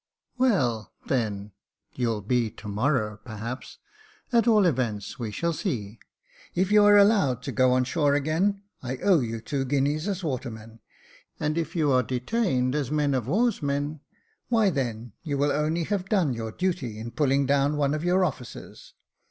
" Well, then, you'll be to morrow, perhaps ; at all events we shall see. If you are allowed to go on shore again, I owe you two guineas as watermen ; and if you are detained as men of war's men, why then you will only have done your duty in pulling down one of your officers.